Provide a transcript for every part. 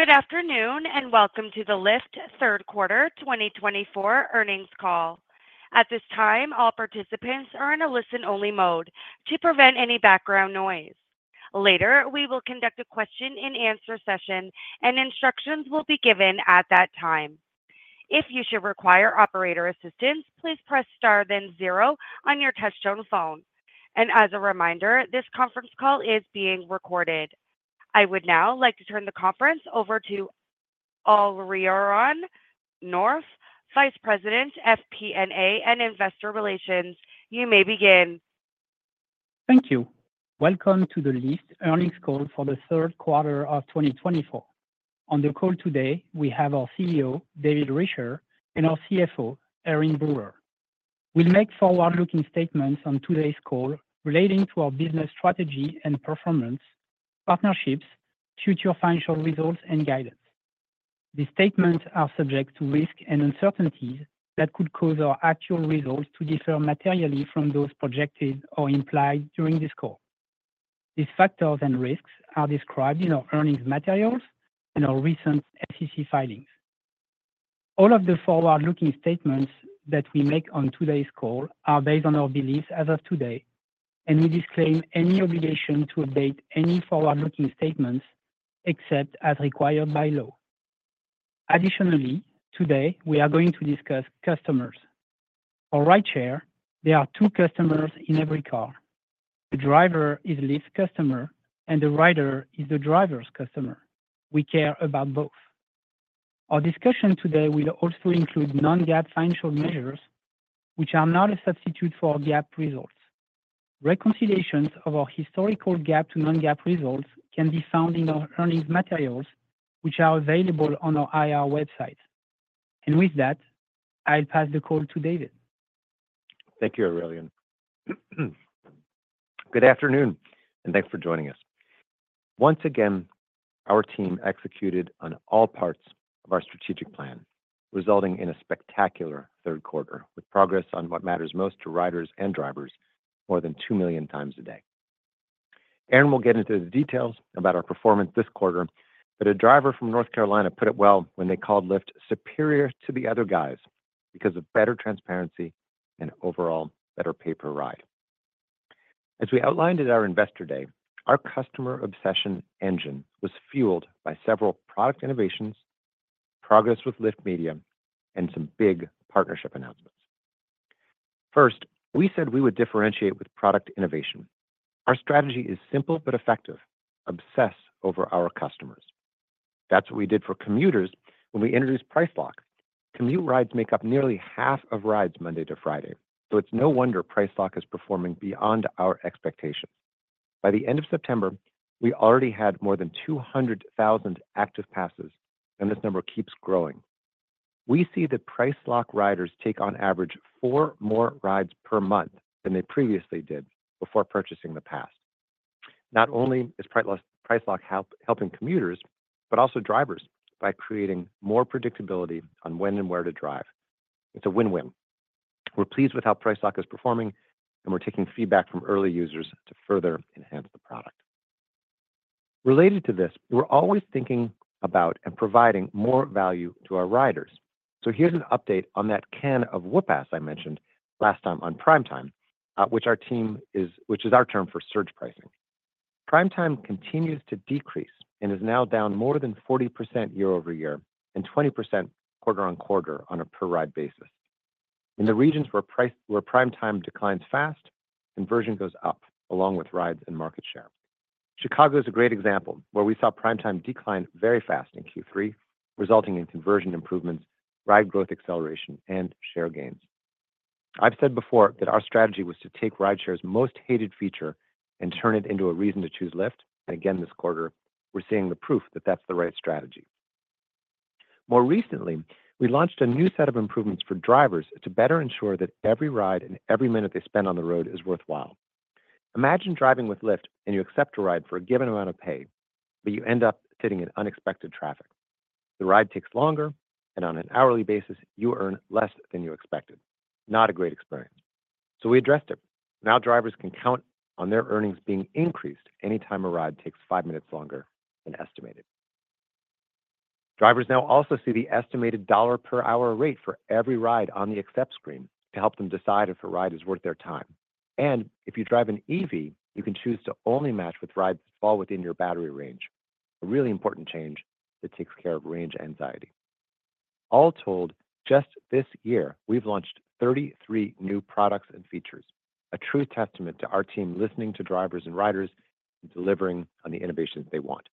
Good afternoon and welcome to the Lyft Q3 2024 earnings call. At this time, all participants are in a listen-only mode to prevent any background noise. Later, we will conduct a question-and-answer session, and instructions will be given at that time. If you should require operator assistance, please press star then zero on your touch-tone phone. And as a reminder, this conference call is being recorded. I would now like to turn the conference over to Aurelien Nolf, Vice President, FP&A and Investor Relations. You may begin. Thank you. Welcome to the Lyft earnings call for Q3 of 2024. On the call today, we have our CEO, David Risher, and our CFO, Erin Brewer. We'll make forward-looking statements on today's call relating to our business strategy and performance, partnerships, future financial results, and guidance. These statements are subject to risks and uncertainties that could cause our actual results to differ materially from those projected or implied during this call. These factors and risks are described in our earnings materials and our recent SEC filings. All of the forward-looking statements that we make on today's call are based on our beliefs as of today, and we disclaim any obligation to update any forward-looking statements except as required by law. Additionally, today, we are going to discuss customers. For rideshare: there are two customers in every car. The driver is Lyft's customer, and the rider is the driver's customer. We care about both. Our discussion today will also include non-GAAP financial measures, which are not a substitute for GAAP results. Reconciliations of our historical GAAP to non-GAAP results can be found in our earnings materials, which are available on our IR website. And with that, I'll pass the call to David. Thank you, Aurelien. Good afternoon, and thanks for joining us. Once again, our team executed on all parts of our strategic plan, resulting in a spectacular Q3 with progress on what matters most to riders and drivers more than 2 million times a day. Erin will get into the details about our performance this quarter, but a driver from North Carolina put it well when they called Lyft "superior to the other guys" because of better transparency and overall better pay-per-ride. As we outlined at our Investor Day, our customer obsession engine was fueled by several product innovations, progress with Lyft Media, and some big partnership announcements. First, we said we would differentiate with product innovation. Our strategy is simple but effective: obsess over our customers. That's what we did for commuters when we introduced Price Lock. Commute rides make up nearly half of rides Monday to Friday, so it's no wonder PriceLock is performing beyond our expectations. By the end of September, we already had more than 200,000 active passes, and this number keeps growing. We see that PriceLock riders take on average four more rides per month than they previously did before purchasing the pass. Not only is PriceLock helping commuters, but also drivers by creating more predictability on when and where to drive. It's a win-win. We're pleased with how PriceLock is performing, and we're taking feedback from early users to further enhance the product. Related to this, we're always thinking about and providing more value to our riders. So here's an update on that can of whoopass I mentioned last time on Prime Time, which is our term for surge pricing. Prime time continues to decrease and is now down more than 40% year over year and 20% quarter on quarter on a per-ride basis. In the regions where prime time declines fast, conversion goes up along with rides and market share. Chicago is a great example where we saw prime time decline very fast in Q3, resulting in conversion improvements, ride growth acceleration, and share gains. I've said before that our strategy was to take rideshare's most hated feature and turn it into a reason to choose Lyft. And again this quarter, we're seeing the proof that that's the right strategy. More recently, we launched a new set of improvements for drivers to better ensure that every ride and every minute they spend on the road is worthwhile. Imagine driving with Lyft and you accept a ride for a given amount of pay, but you end up sitting in unexpected traffic. The ride takes longer, and on an hourly basis, you earn less than you expected. Not a great experience. So we addressed it. Now drivers can count on their earnings being increased anytime a ride takes five minutes longer than estimated. Drivers now also see the estimated dollar-per-hour rate for every ride on the Accept screen to help them decide if a ride is worth their time. And if you drive an EV, you can choose to only match with rides that fall within your battery range, a really important change that takes care of range anxiety. All told, just this year, we've launched 33 new products and features, a true testament to our team listening to drivers and riders and delivering on the innovations they want.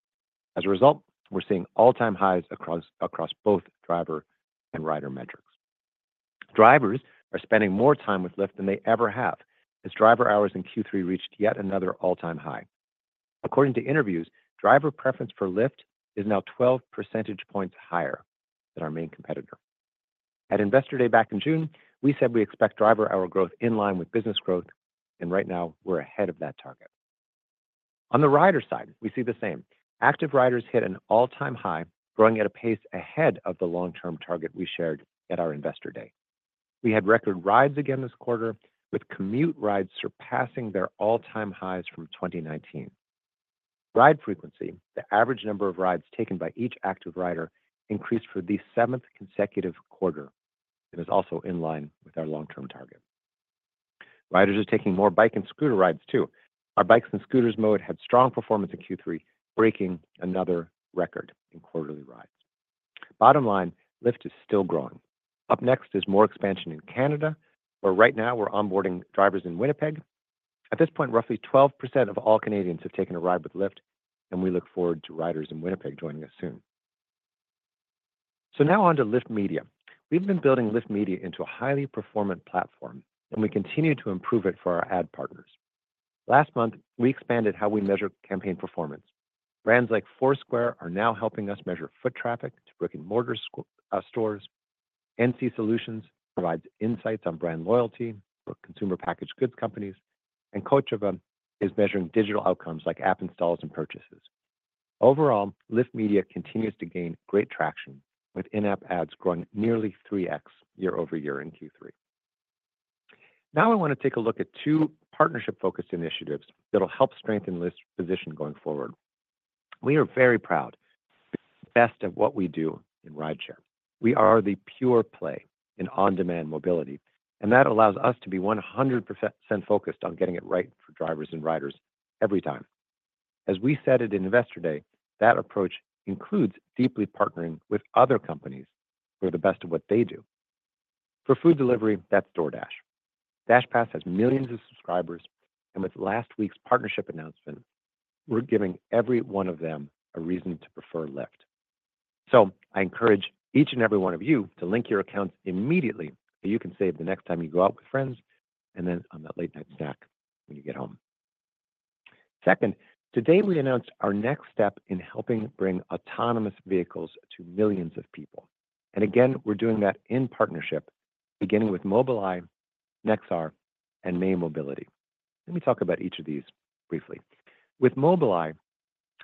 As a result, we're seeing all-time highs across both driver and rider metrics. Drivers are spending more time with Lyft than they ever have as driver hours in Q3 reached yet another all-time high. According to interviews, driver preference for Lyft is now 12 percentage points higher than our main competitor. At Investor Day back in June, we said we expect driver hour growth in line with business growth, and right now, we're ahead of that target. On the rider side, we see the same. Active riders hit an all-time high, growing at a pace ahead of the long-term target we shared at our Investor Day. We had record rides again this quarter, with commute rides surpassing their all-time highs from 2019. Ride frequency, the average number of rides taken by each active rider, increased for the seventh consecutive quarter and is also in line with our long-term target. Riders are taking more bike and scooter rides, too. Our bikes and scooters mode had strong performance in Q3, breaking another record in quarterly rides. Bottom line, Lyft is still growing. Up next is more expansion in Canada, where right now we're onboarding drivers in Winnipeg. At this point, roughly 12% of all Canadians have taken a ride with Lyft, and we look forward to riders in Winnipeg joining us soon. So now on to Lyft Media. We've been building Lyft Media into a highly performant platform, and we continue to improve it for our ad partners. Last month, we expanded how we measure campaign performance. Brands like Foursquare are now helping us measure foot traffic to brick-and-mortar stores. NC Solutions provides insights on brand loyalty for consumer packaged goods companies, and Kochava is measuring digital outcomes like app installs and purchases. Overall, Lyft Media continues to gain great traction, with in-app ads growing nearly 3x year over year in Q3. Now I want to take a look at two partnership-focused initiatives that'll help strengthen Lyft's position going forward. We are very proud to be the best at what we do in rideshare. We are the pure play in on-demand mobility, and that allows us to be 100% focused on getting it right for drivers and riders every time. As we said at Investor Day, that approach includes deeply partnering with other companies for the best of what they do. For food delivery, that's DoorDash. DashPass has millions of subscribers, and with last week's partnership announcement, we're giving every one of them a reason to prefer Lyft. So I encourage each and every one of you to link your accounts immediately so you can save the next time you go out with friends and then on that late-night snack when you get home. Second, today we announced our next step in helping bring autonomous vehicles to millions of people. And again, we're doing that in partnership, beginning with Mobileye, Nexar, and May Mobility. Let me talk about each of these briefly. With Mobileye,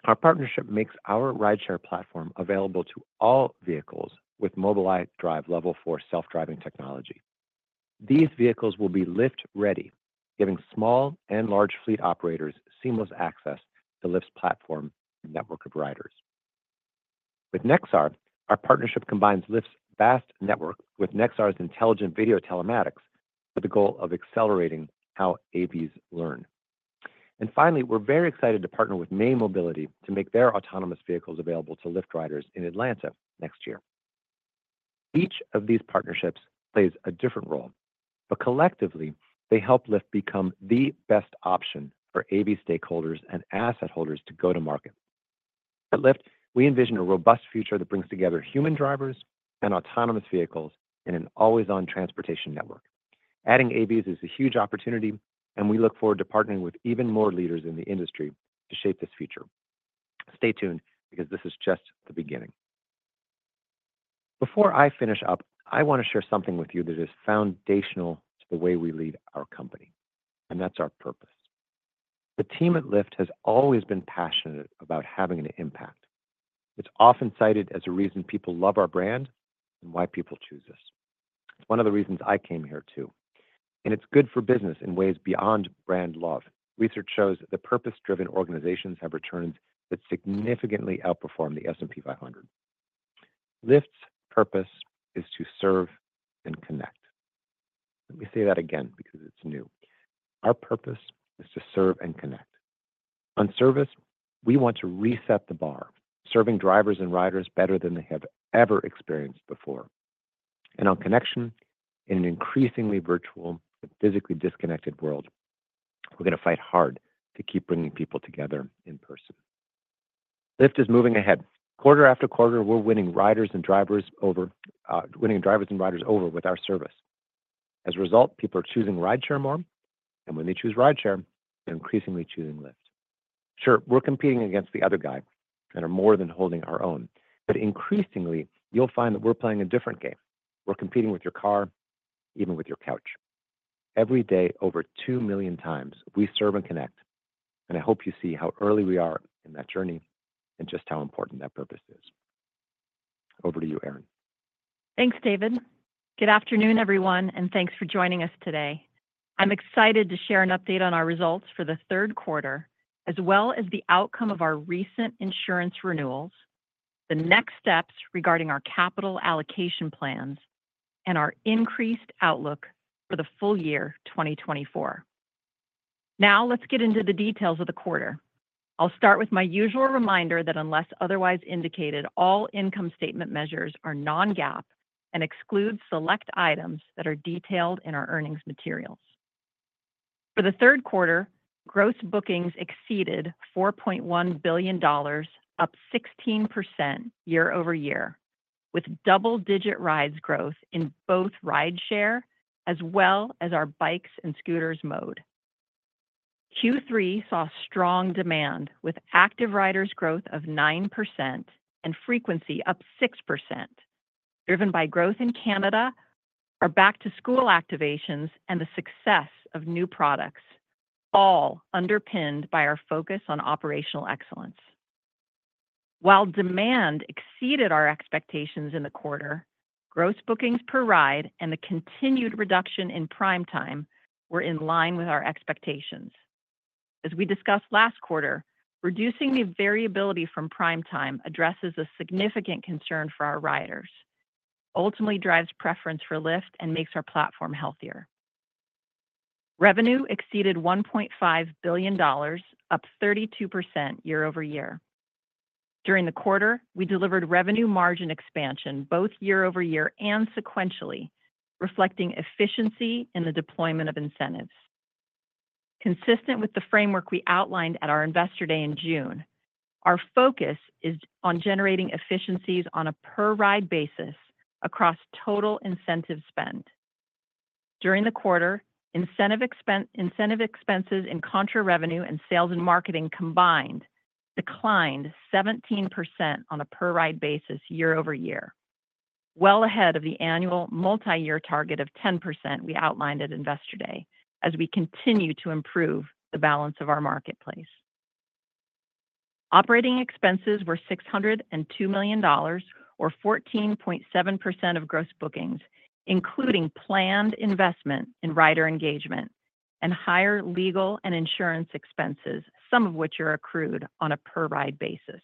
our partnership makes our rideshare platform available to all vehicles with Mobileye Drive Level 4 self-driving technology. These vehicles will be Lyft-ready, giving small and large fleet operators seamless access to Lyft's platform and network of riders. With Nexar, our partnership combines Lyft's vast network with Nexar's intelligent video telematics with the goal of accelerating how AVs learn. Finally, we're very excited to partner with May Mobility to make their autonomous vehicles available to Lyft riders in Atlanta next year. Each of these partnerships plays a different role, but collectively, they help Lyft become the best option for AV stakeholders and asset holders to go to market. At Lyft, we envision a robust future that brings together human drivers and autonomous vehicles in an always-on transportation network. Adding AVs is a huge opportunity, and we look forward to partnering with even more leaders in the industry to shape this future. Stay tuned because this is just the beginning. Before I finish up, I want to share something with you that is foundational to the way we lead our company, and that's our purpose. The team at Lyft has always been passionate about having an impact. It's often cited as a reason people love our brand and why people choose us. It's one of the reasons I came here, too. And it's good for business in ways beyond brand love. Research shows that purpose-driven organizations have returns that significantly outperform the S&P 500. Lyft's purpose is to serve and connect. Let me say that again because it's new. Our purpose is to serve and connect. On service, we want to reset the bar, serving drivers and riders better than they have ever experienced before. And on connection, in an increasingly virtual and physically disconnected world, we're going to fight hard to keep bringing people together in person. Lyft is moving ahead. Quarter after quarter, we're winning riders and drivers over with our service. As a result, people are choosing rideshare more, and when they choose rideshare, they're increasingly choosing Lyft. Sure, we're competing against the other guy and are more than holding our own, but increasingly, you'll find that we're playing a different game. We're competing with your car, even with your couch. Every day, over two million times, we serve and connect, and I hope you see how early we are in that journey and just how important that purpose is. Over to you, Erin. Thanks, David. Good afternoon, everyone, and thanks for joining us today. I'm excited to share an update on our results for the third quarter, as well as the outcome of our recent insurance renewals, the next steps regarding our capital allocation plans, and our increased outlook for the full year 2024. Now let's get into the details of the quarter. I'll start with my usual reminder that unless otherwise indicated, all income statement measures are non-GAAP and exclude select items that are detailed in our earnings materials. For the third quarter, gross bookings exceeded $4.1 billion, up 16% year over year, with double-digit rides growth in both rideshare as well as our bikes and scooters mode. Q3 saw strong demand with active riders' growth of 9% and frequency up 6%, driven by growth in Canada, our back-to-school activations, and the success of new products, all underpinned by our focus on operational excellence. While demand exceeded our expectations in the quarter, gross bookings per ride and the continued reduction in prime time were in line with our expectations. As we discussed last quarter, reducing the variability from prime time addresses a significant concern for our riders, ultimately drives preference for Lyft and makes our platform healthier. Revenue exceeded $1.5 billion, up 32% year over year. During the quarter, we delivered revenue margin expansion both year over year and sequentially, reflecting efficiency in the deployment of incentives. Consistent with the framework we outlined at our Investor Day in June, our focus is on generating efficiencies on a per-ride basis across total incentive spend. During the quarter, incentive expenses in contra revenue and sales and marketing combined declined 17% on a per-ride basis year over year, well ahead of the annual multi-year target of 10% we outlined at Investor Day as we continue to improve the balance of our marketplace. Operating expenses were $602 million, or 14.7% of gross bookings, including planned investment in rider engagement and higher legal and insurance expenses, some of which are accrued on a per-ride basis.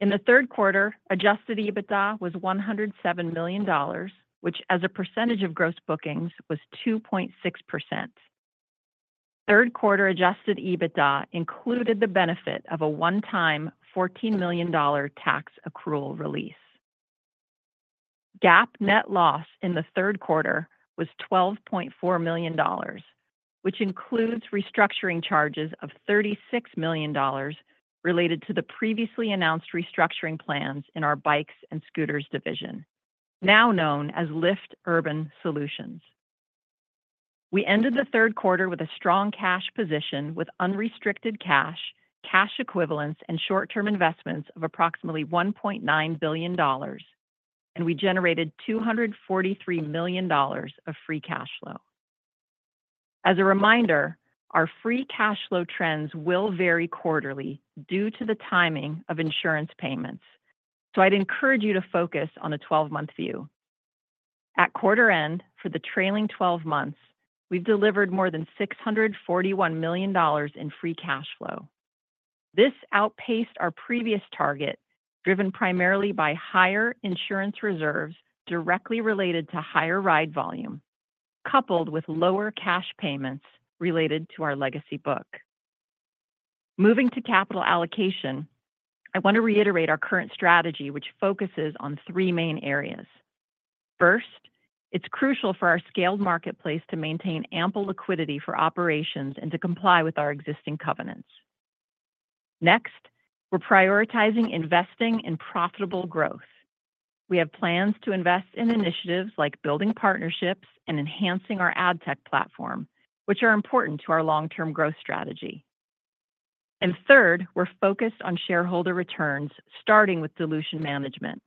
In the third quarter, adjusted EBITDA was $107 million, which, as a percentage of gross bookings, was 2.6%. Third quarter adjusted EBITDA included the benefit of a one-time $14 million tax accrual release. GAAP net loss in the third quarter was $12.4 million, which includes restructuring charges of $36 million related to the previously announced restructuring plans in our bikes and scooters division, now known as Lyft Urban Solutions. We ended the third quarter with a strong cash position with unrestricted cash, cash equivalents, and short-term investments of approximately $1.9 billion, and we generated $243 million of free cash flow. As a reminder, our free cash flow trends will vary quarterly due to the timing of insurance payments, so I'd encourage you to focus on a 12-month view. At quarter end, for the trailing 12 months, we've delivered more than $641 million in free cash flow. This outpaced our previous target, driven primarily by higher insurance reserves directly related to higher ride volume, coupled with lower cash payments related to our legacy book. Moving to capital allocation, I want to reiterate our current strategy, which focuses on three main areas. First, it's crucial for our scaled marketplace to maintain ample liquidity for operations and to comply with our existing covenants. Next, we're prioritizing investing in profitable growth. We have plans to invest in initiatives like building partnerships and enhancing our ad tech platform, which are important to our long-term growth strategy. And third, we're focused on shareholder returns, starting with dilution management.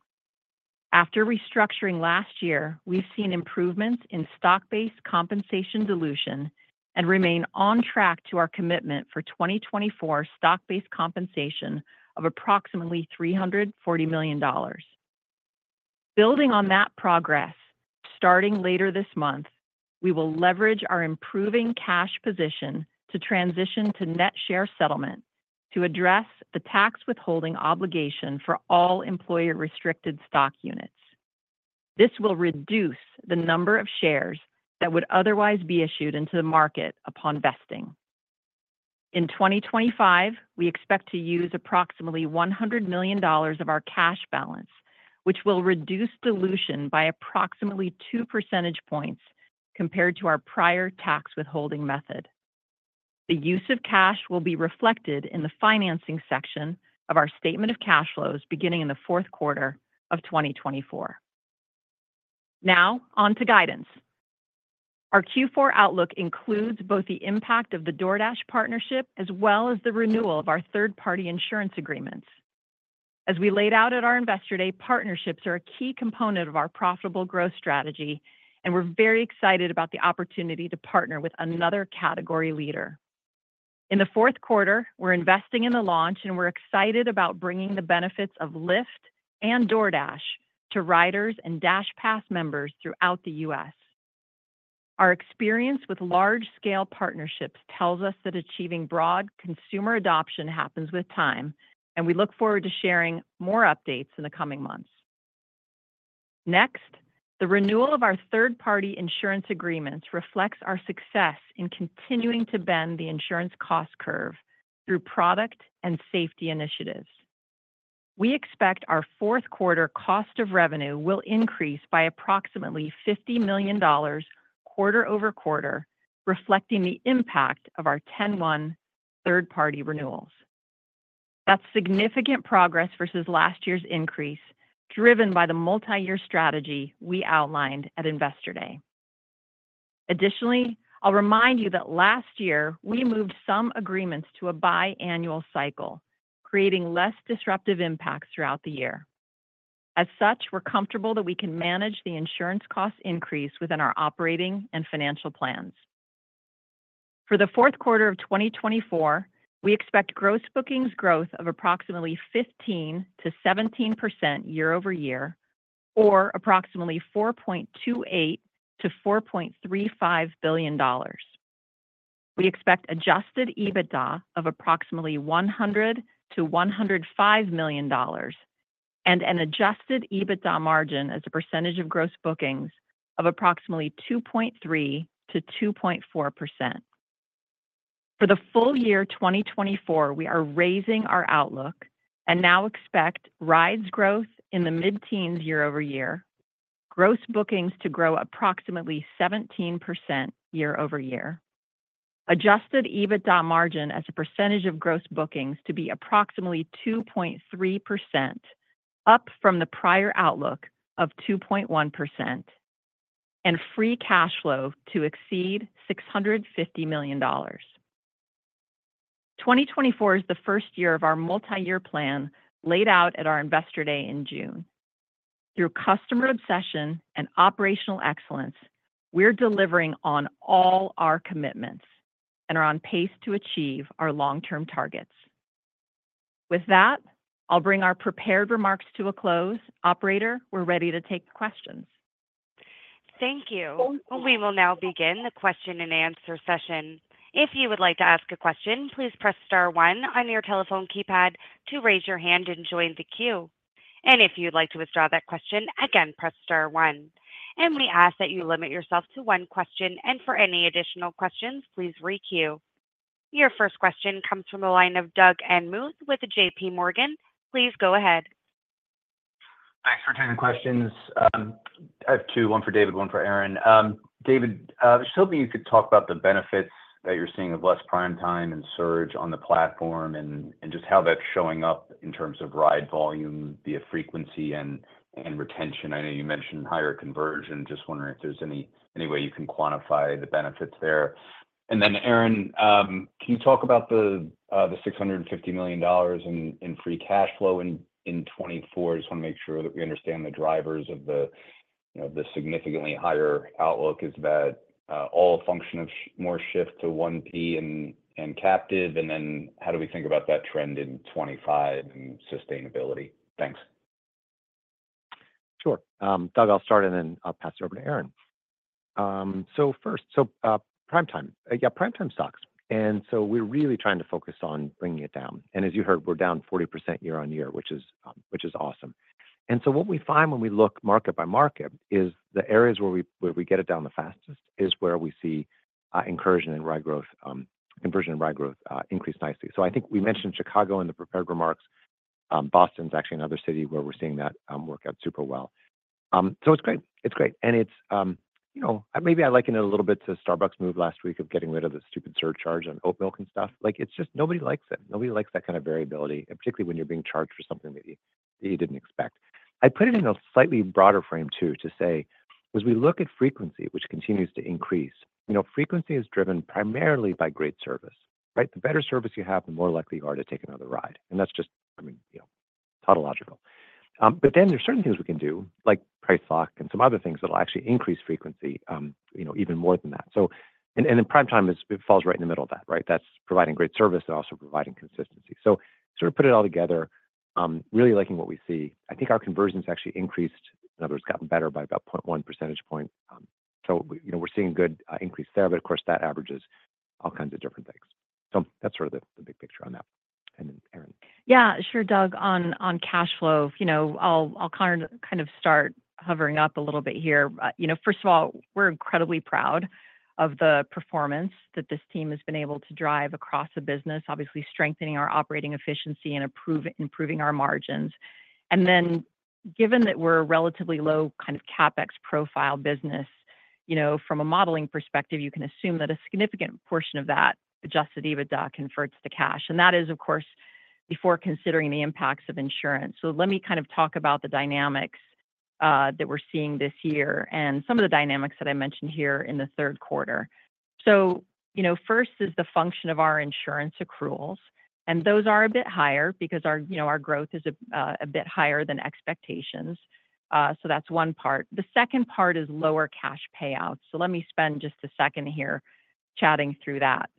After restructuring last year, we've seen improvements in stock-based compensation dilution and remain on track to our commitment for 2024 stock-based compensation of approximately $340 million. Building on that progress, starting later this month, we will leverage our improving cash position to transition to net share settlement to address the tax withholding obligation for all employer-restricted stock units. This will reduce the number of shares that would otherwise be issued into the market upon vesting. In 2025, we expect to use approximately $100 million of our cash balance, which will reduce dilution by approximately 2 percentage points compared to our prior tax withholding method. The use of cash will be reflected in the financing section of our statement of cash flows beginning in the fourth quarter of 2024. Now on to guidance. Our Q4 outlook includes both the impact of the DoorDash partnership as well as the renewal of our third-party insurance agreements. As we laid out at our Investor Day, partnerships are a key component of our profitable growth strategy, and we're very excited about the opportunity to partner with another category leader. In the fourth quarter, we're investing in the launch, and we're excited about bringing the benefits of Lyft and DoorDash to riders and DashPass members throughout the U.S. Our experience with large-scale partnerships tells us that achieving broad consumer adoption happens with time, and we look forward to sharing more updates in the coming months. Next, the renewal of our third-party insurance agreements reflects our success in continuing to bend the insurance cost curve through product and safety initiatives. We expect our fourth quarter cost of revenue will increase by approximately $50 million quarter over quarter, reflecting the impact of our 10-month third-party renewals. That's significant progress versus last year's increase, driven by the multi-year strategy we outlined at Investor Day. Additionally, I'll remind you that last year, we moved some agreements to a biannual cycle, creating less disruptive impacts throughout the year. As such, we're comfortable that we can manage the insurance cost increase within our operating and financial plans. For the fourth quarter of 2024, we expect gross bookings growth of approximately 15%-17% year over year, or approximately $4.28-$4.35 billion. We expect adjusted EBITDA of approximately $100-$105 million and an adjusted EBITDA margin as a percentage of gross bookings of approximately 2.3%-2.4%. For the full year 2024, we are raising our outlook and now expect rides growth in the mid-teens year over year, gross bookings to grow approximately 17% year over year, adjusted EBITDA margin as a percentage of gross bookings to be approximately 2.3%, up from the prior outlook of 2.1%, and free cash flow to exceed $650 million. 2024 is the first year of our multi-year plan laid out at our Investor Day in June. Through customer obsession and operational excellence, we're delivering on all our commitments and are on pace to achieve our long-term targets. With that, I'll bring our prepared remarks to a close. Operator, we're ready to take questions. Thank you. We will now begin the question and answer session. If you would like to ask a question, please press star one on your telephone keypad to raise your hand and join the queue. And if you'd like to withdraw that question, again, press star one. And we ask that you limit yourself to one question, and for any additional questions, please re-queue. Your first question comes from the line of Doug Anmuth with JPMorgan. Please go ahead. Thanks for taking the questions. I have two, one for David, one for Erin. David, I was just hoping you could talk about the benefits that you're seeing of less prime time and surge on the platform and just how that's showing up in terms of ride volume via frequency and retention. I know you mentioned higher conversion. Just wondering if there's any way you can quantify the benefits there. And then, Erin, can you talk about the $650 million in free cash flow in 2024? Just want to make sure that we understand the drivers of the significantly higher outlook. Is that all a function of more shift to 1P and captive? And then how do we think about that trend in 2025 and sustainability? Thanks. Sure. Doug, I'll start, and then I'll pass it over to Erin. So first, Prime Time. Yeah, Prime Time sucks. And so we're really trying to focus on bringing it down. And as you heard, we're down 40% year on year, which is awesome. And so what we find when we look market by market is the areas where we get it down the fastest is where we see increase in ride growth, increase in ride growth increase nicely. So I think we mentioned Chicago in the prepared remarks. Boston's actually another city where we're seeing that work out super well. So it's great. It's great. And maybe I liken it a little bit to Starbucks' move last week of getting rid of the stupid surcharge on oat milk and stuff. It's just nobody likes it. Nobody likes that kind of variability, and particularly when you're being charged for something that you didn't expect. I put it in a slightly broader frame, too, to say, as we look at frequency, which continues to increase, frequency is driven primarily by great service. The better service you have, the more likely you are to take another ride. And that's just, I mean, tautological. But then there's certain things we can do, like price lock and some other things that'll actually increase frequency even more than that. And then prime time falls right in the middle of that, right? That's providing great service and also providing consistency. So sort of put it all together, really liking what we see. I think our conversions actually increased, in other words, gotten better by about 0.1 percentage point. So we're seeing a good increase there, but of course, that averages all kinds of different things. So that's sort of the big picture on that. And then, Erin. Yeah, sure, Doug, on cash flow, I'll kind of start hovering up a little bit here. First of all, we're incredibly proud of the performance that this team has been able to drive across the business, obviously strengthening our operating efficiency and improving our margins. And then given that we're a relatively low kind of CapEx profile business, from a modeling perspective, you can assume that a significant portion of that Adjusted EBITDA converts to cash. And that is, of course, before considering the impacts of insurance. So let me kind of talk about the dynamics that we're seeing this year and some of the dynamics that I mentioned here in the third quarter. So first is the function of our insurance accruals. And those are a bit higher because our growth is a bit higher than expectations. So that's one part. The second part is lower cash payouts. So let me spend just a second here chatting through that.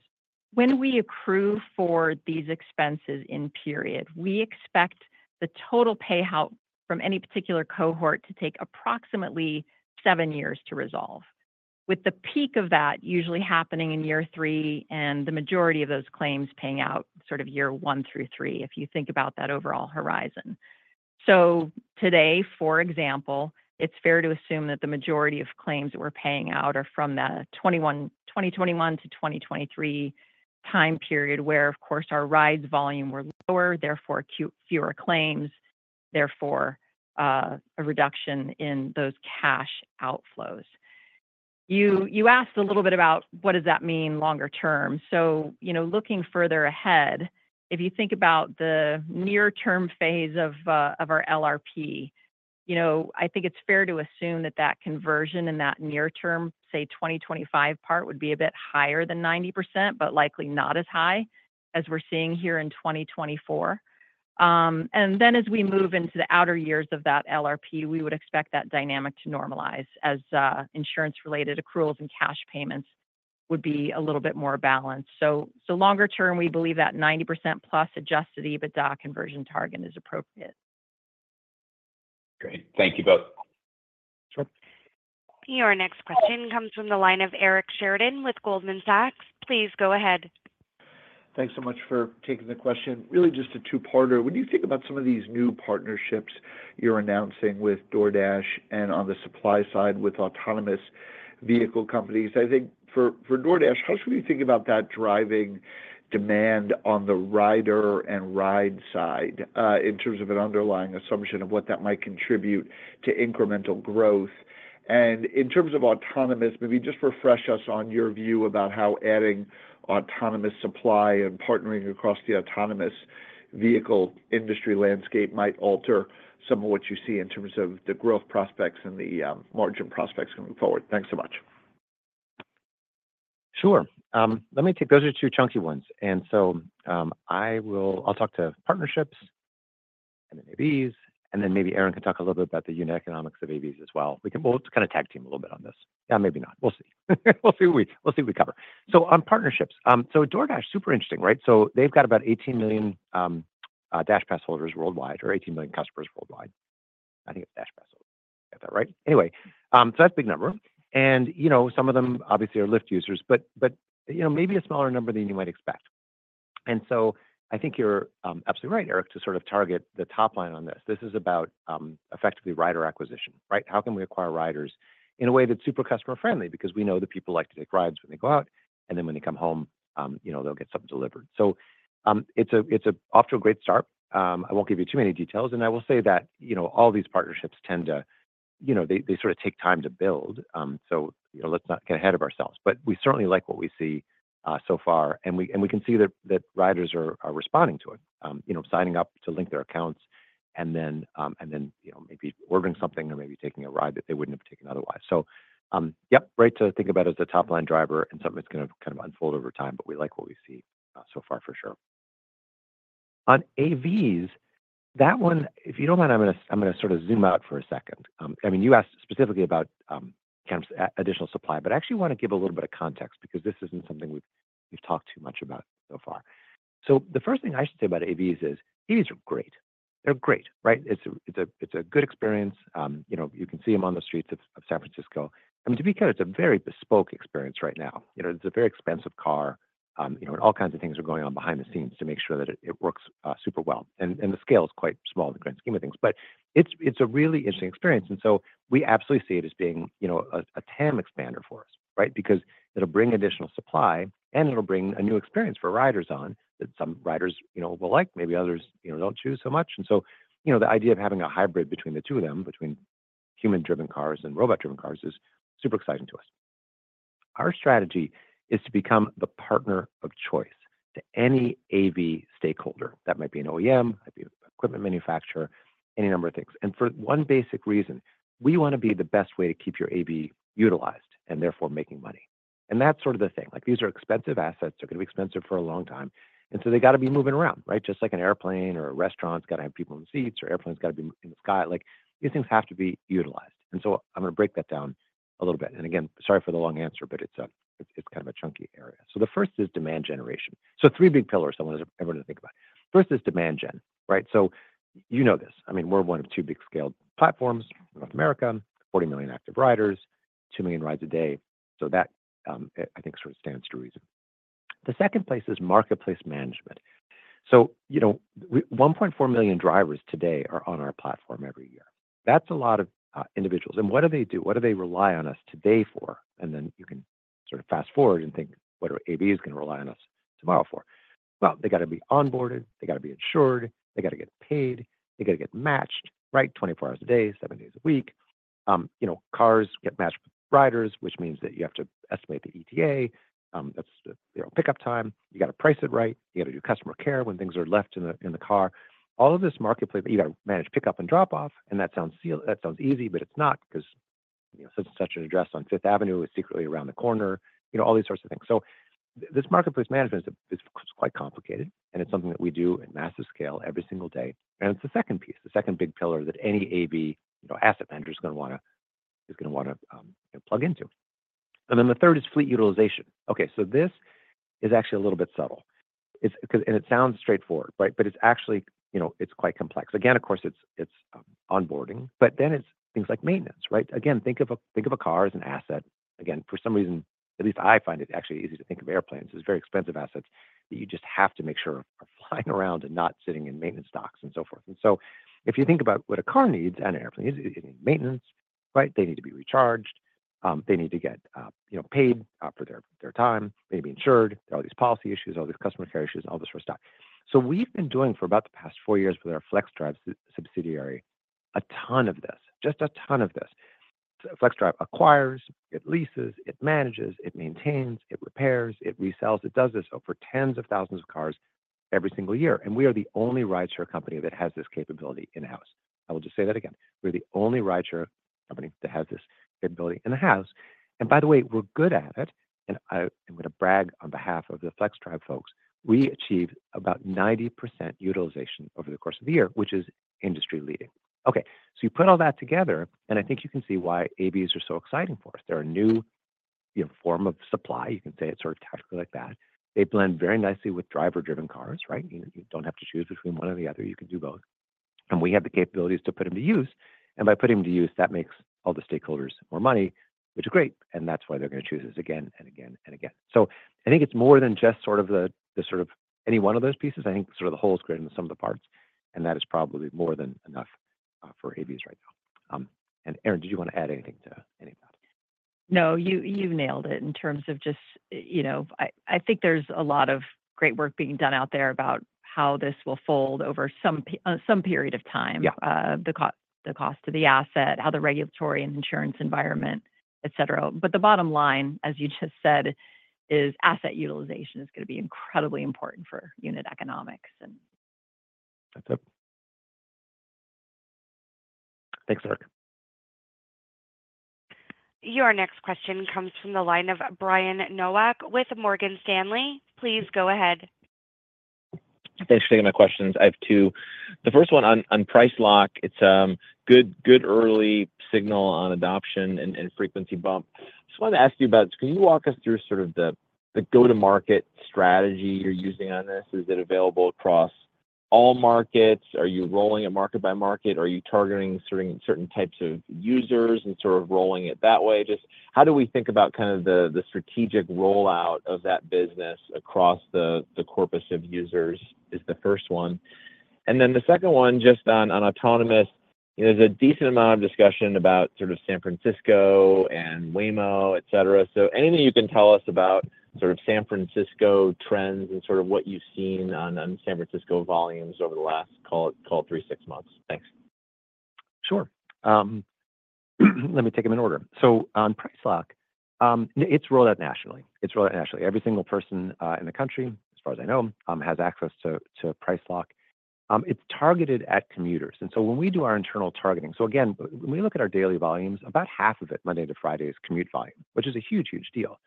When we accrue for these expenses in period, we expect the total payout from any particular cohort to take approximately seven years to resolve, with the peak of that usually happening in year three and the majority of those claims paying out sort of year one through three, if you think about that overall horizon. So today, for example, it's fair to assume that the majority of claims that we're paying out are from the 2021 to 2023 time period where, of course, our rides volume were lower, therefore fewer claims, therefore a reduction in those cash outflows. You asked a little bit about what does that mean longer term. So looking further ahead, if you think about the near-term phase of our LRP, I think it's fair to assume that that conversion in that near-term, say, 2025 part would be a bit higher than 90%, but likely not as high as we're seeing here in 2024. And then as we move into the outer years of that LRP, we would expect that dynamic to normalize as insurance-related accruals and cash payments would be a little bit more balanced. So longer term, we believe that 90% plus adjusted EBITDA conversion target is appropriate. Great. Thank you both. Sure. Your next question comes from the line of Eric Sheridan with Goldman Sachs. Please go ahead. Thanks so much for taking the question. Really just a two-parter. When you think about some of these new partnerships you're announcing with DoorDash and on the supply side with autonomous vehicle companies, I think for DoorDash, how should we think about that driving demand on the rider and ride side in terms of an underlying assumption of what that might contribute to incremental growth? And in terms of autonomous, maybe just refresh us on your view about how adding autonomous supply and partnering across the autonomous vehicle industry landscape might alter some of what you see in terms of the growth prospects and the margin prospects going forward. Thanks so much. Sure. Let me take those are two chunky ones. And so I'll talk to partnerships and then AVs, and then maybe Erin can talk a little bit about the unit economics of AVs as well. We'll kind of tag team a little bit on this. Yeah, maybe not. We'll see. We'll see what we cover. So on partnerships, so DoorDash, super interesting, right? So they've got about 18 million DashPass holders worldwide or 18 million customers worldwide. I think it's DashPass holders. I got that right. Anyway, so that's a big number. And some of them obviously are Lyft users, but maybe a smaller number than you might expect. And so I think you're absolutely right, Eric, to sort of target the top line on this. This is about effectively rider acquisition, right? How can we acquire riders in a way that's super customer-friendly because we know that people like to take rides when they go out, and then when they come home, they'll get something delivered. So it's off to a great start. I won't give you too many details. And I will say that all these partnerships tend to, they sort of take time to build. So let's not get ahead of ourselves. But we certainly like what we see so far, and we can see that riders are responding to it, signing up to link their accounts, and then maybe ordering something or maybe taking a ride that they wouldn't have taken otherwise. So yep, great to think about as a top-line driver and something that's going to kind of unfold over time, but we like what we see so far for sure. On AVs, that one, if you don't mind, I'm going to sort of zoom out for a second. I mean, you asked specifically about additional supply, but I actually want to give a little bit of context because this isn't something we've talked too much about so far. So the first thing I should say about AVs is AVs are great. They're great, right? It's a good experience. You can see them on the streets of San Francisco. I mean, to be clear, it's a very bespoke experience right now. It's a very expensive car, and all kinds of things are going on behind the scenes to make sure that it works super well. And the scale is quite small in the grand scheme of things. But it's a really interesting experience. And so we absolutely see it as being a TAM expander for us, right? Because it'll bring additional supply, and it'll bring a new experience for riders, one that some riders will like. Maybe others don't choose so much. And so the idea of having a hybrid between the two of them, between human-driven cars and robot-driven cars, is super exciting to us. Our strategy is to become the partner of choice to any AV stakeholder. That might be an OEM, might be an equipment manufacturer, any number of things. And for one basic reason, we want to be the best way to keep your AV utilized and therefore making money. And that's sort of the thing. These are expensive assets. They're going to be expensive for a long time. And so they got to be moving around, right? Just like an airplane or a restaurant's got to have people in seats or airplanes got to be in the sky. These things have to be utilized. So I'm going to break that down a little bit. And again, sorry for the long answer, but it's kind of a chunky area. The first is demand generation. Three big pillars I want everyone to think about. First is demand gen, right? You know this. I mean, we're one of two big scale platforms in North America, 40 million active riders, 2 million rides a day. That, I think, sort of stands to reason. The second place is marketplace management. 1.4 million drivers today are on our platform every year. That's a lot of individuals. What do they do? What do they rely on us today for? Then you can sort of fast forward and think, what are AVs going to rely on us tomorrow for? They got to be onboarded. They got to be insured. They got to get paid. They got to get matched, right? 24 hours a day, seven days a week. Cars get matched with riders, which means that you have to estimate the ETA. That's pickup time. You got to price it right. You got to do customer care when things are left in the car. All of this marketplace, you got to manage pickup and drop-off, and that sounds easy, but it's not because such and such an address on Fifth Avenue is secretly around the corner, all these sorts of things, so this marketplace management is quite complicated, and it's something that we do at massive scale every single day, and it's the second piece, the second big pillar that any AV asset manager is going to want to plug into, and then the third is fleet utilization. Okay, so this is actually a little bit subtle. And it sounds straightforward, right? But it's actually quite complex. Again, of course, it's onboarding, but then it's things like maintenance, right? Again, think of a car as an asset. Again, for some reason, at least I find it actually easy to think of airplanes as very expensive assets that you just have to make sure are flying around and not sitting in maintenance docks and so forth. And so if you think about what a car needs and an airplane needs, it needs maintenance, right? They need to be recharged. They need to get paid for their time. They need to be insured. There are all these policy issues, all these customer care issues, all this sort of stuff. So we've been doing for about the past four years with our FlexDrive subsidiary a ton of this, just a ton of this. FlexDrive acquires, it leases, it manages, it maintains, it repairs, it resells. It does this over tens of thousands of cars every single year. And we are the only rideshare company that has this capability in-house. I will just say that again. We're the only rideshare company that has this capability in-house. And by the way, we're good at it. And I'm going to brag on behalf of the FlexDrive folks. We achieved about 90% utilization over the course of the year, which is industry-leading. Okay, so you put all that together, and I think you can see why AVs are so exciting for us. They're a new form of supply. You can say it's sort of tactically like that. They blend very nicely with driver-driven cars, right? You don't have to choose between one or the other. You can do both. And we have the capabilities to put them to use. And by putting them to use, that makes all the stakeholders more money, which is great. And that's why they're going to choose us again and again and again. So I think it's more than just sort of any one of those pieces. I think sort of the whole is greater than some of the parts. And that is probably more than enough for AVs right now. And Erin, did you want to add anything to any of that? No, you've nailed it in terms of just I think there's a lot of great work being done out there about how this will fold over some period of time, the cost of the asset, how the regulatory and insurance environment, etc. But the bottom line, as you just said, is asset utilization is going to be incredibly important for unit economics. That's it. Thanks, Eric. Your next question comes from the line of Brian Nowak with Morgan Stanley. Please go ahead. Thanks for taking my questions. I have two. The first one on PriceLock, it's a good early signal on adoption and frequency bump. I just wanted to ask you about, can you walk us through sort of the go-to-market strategy you're using on this? Is it available across all markets? Are you rolling it market by market? Are you targeting certain types of users and sort of rolling it that way? Just how do we think about kind of the strategic rollout of that business across the corpus of users is the first one. And then the second one, just on autonomous, there's a decent amount of discussion about sort of San Francisco and Waymo, etc. So anything you can tell us about sort of San Francisco trends and sort of what you've seen on San Francisco volumes over the last call it three, six months? Thanks. Sure. Let me take them in order. So on PriceLock, it's rolled out nationally. It's rolled out nationally. Every single person in the country, as far as I know, has access to PriceLock. It's targeted at commuters. And so when we do our internal targeting, so again, when we look at our daily volumes, about half of it Monday to Friday is commute volume, which is a huge, huge deal.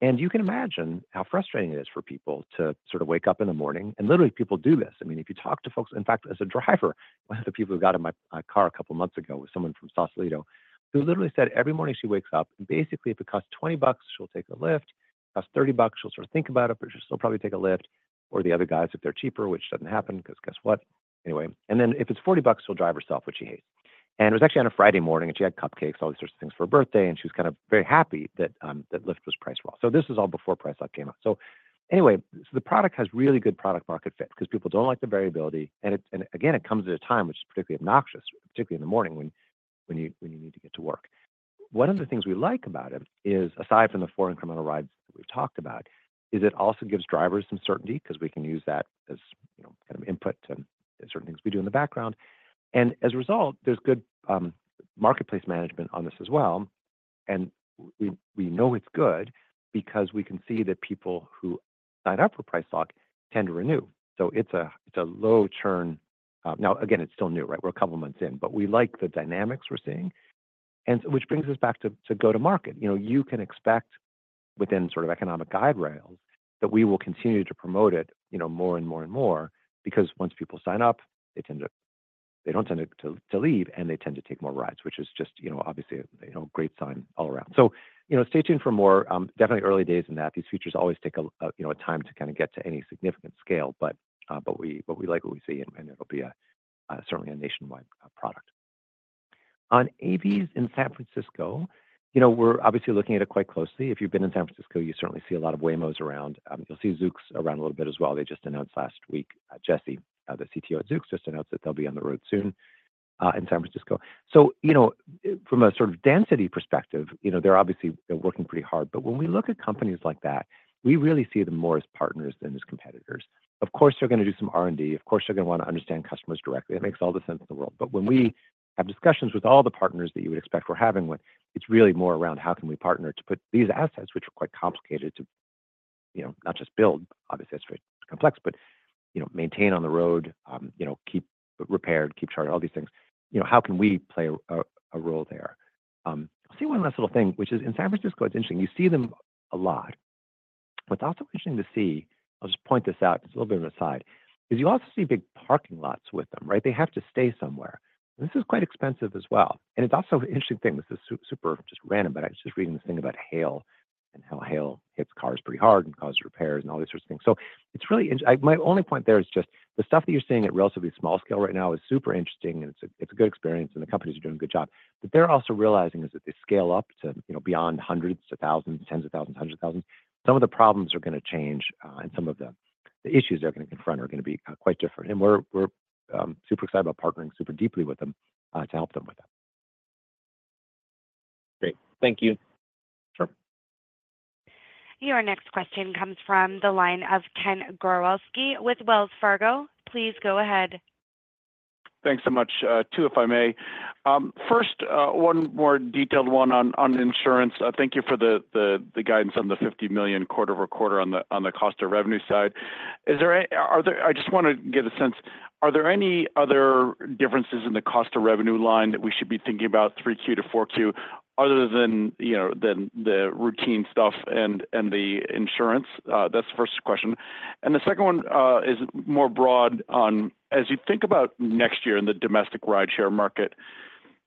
And you can imagine how frustrating it is for people to sort of wake up in the morning. And literally, people do this. I mean, if you talk to folks, in fact, as a driver, one of the people who got in my car a couple of months ago was someone from Sausalito, who literally said every morning she wakes up, basically, if it costs $20, she'll take a Lyft. If it costs $30, she'll sort of think about it, but she'll still probably take a Lyft. Or the other guys, if they're cheaper, which doesn't happen because guess what? Anyway. And then if it's $40, she'll drive herself, which she hates. And it was actually on a Friday morning, and she had cupcakes, all these sorts of things for her birthday, and she was kind of very happy that Lyft was priced well. So this is all before PriceLock came out. So anyway, so the product has really good product-market fit because people don't like the variability. And again, it comes at a time which is particularly obnoxious, particularly in the morning when you need to get to work. One of the things we like about it is, aside from the four incremental rides that we've talked about, is it also gives drivers some certainty because we can use that as kind of input to certain things we do in the background, and as a result, there's good marketplace management on this as well, and we know it's good because we can see that people who sign up for PriceLock tend to renew, so it's a low churn. Now, again, it's still new, right? We're a couple of months in, but we like the dynamics we're seeing, which brings us back to go-to-market. You can expect within sort of economic guide rails that we will continue to promote it more and more and more because once people sign up, they don't tend to leave, and they tend to take more rides, which is just obviously a great sign all around. So stay tuned for more. Definitely early days in that. These features always take a time to kind of get to any significant scale, but we like what we see, and it'll be certainly a nationwide product. On AVs in San Francisco, we're obviously looking at it quite closely. If you've been in San Francisco, you certainly see a lot of Waymos around. You'll see Zoox around a little bit as well. They just announced last week, Jesse, the CTO at Zoox, just announced that they'll be on the road soon in San Francisco. So from a sort of density perspective, they're obviously working pretty hard. But when we look at companies like that, we really see them more as partners than as competitors. Of course, they're going to do some R&D. Of course, they're going to want to understand customers directly. That makes all the sense in the world. But when we have discussions with all the partners that you would expect we're having with, it's really more around how can we partner to put these assets, which are quite complicated to not just build, obviously, it's very complex, but maintain on the road, keep repaired, keep charged, all these things. How can we play a role there? I'll say one last little thing, which is in San Francisco, it's interesting. You see them a lot. It's also interesting to see, I'll just point this out. It's a little bit of an aside, as you also see big parking lots with them, right? They have to stay somewhere. And this is quite expensive as well. And it's also an interesting thing. This is super just random, but I was just reading this thing about hail and how hail hits cars pretty hard and causes repairs and all these sorts of things. So it's really interesting. My only point there is just the stuff that you're seeing at relatively small scale right now is super interesting, and it's a good experience, and the companies are doing a good job. But they're also realizing that as they scale up to beyond hundreds to thousands, tens of thousands, hundreds of thousands. Some of the problems are going to change, and some of the issues they're going to confront are going to be quite different. We're super excited about partnering super deeply with them to help them with that. Great. Thank you. Sure. Your next question comes from the line of Ken Gawrelski with Wells Fargo. Please go ahead. Thanks so much. Two, if I may. First, one more detailed one on insurance. Thank you for the guidance on the $50 million quarter over quarter on the cost of revenue side. I just want to get a sense. Are there any other differences in the cost of revenue line that we should be thinking about, 3Q to 4Q, other than the routine stuff and the insurance? That's the first question. And the second one is more broad on, as you think about next year in the domestic rideshare market,